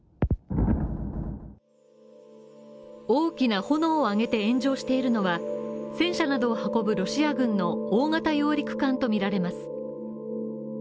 大きな炎を上げて炎上しているのは戦車などを運ぶロシア軍の大型揚陸艦とみられます。